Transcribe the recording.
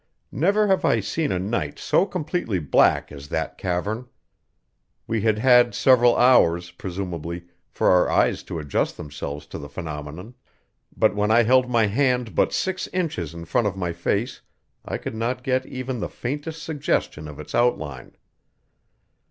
Never have I seen a night so completely black as that cavern; we had had several hours, presumably, for our eyes to adjust themselves to the phenomenon; but when I held my hand but six inches in front of my face I could not get even the faintest suggestion of its outline.